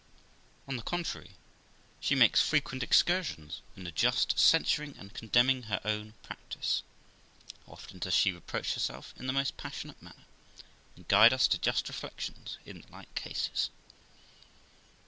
On the contrary, she makes frequent excursions, in a just censuring and condemming her own practice. How often does she reproach herself in the most passionate manner, and guide us to just reflections in the like cases!